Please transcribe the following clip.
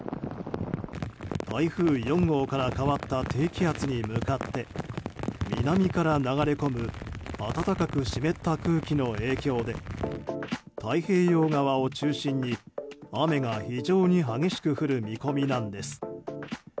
台風４号から変わった低気圧に向かって南から流れ込む暖かく湿った空気の影響で太平洋側を中心に雨が非常に激しく降る見込みなんです。